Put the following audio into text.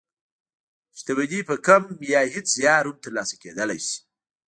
شتمني په کم يا هېڅ زيار هم تر لاسه کېدلای شي.